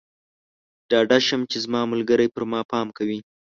ډاډه شم چې زما ملګری پر ما پام کوي.